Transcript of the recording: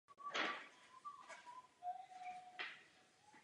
Pocházel vážené z rodiny středoškolského profesora.